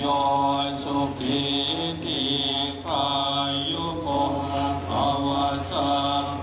แกล้วทุกข์โศกโรคภัยทั้งกายใจ